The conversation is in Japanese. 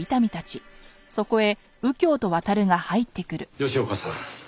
吉岡さん。